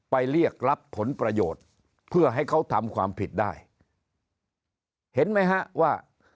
เรียกรับผลประโยชน์เพื่อให้เขาทำความผิดได้เห็นไหมฮะว่า